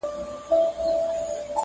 دی په خوب کي لا پاچا د پېښور دی٫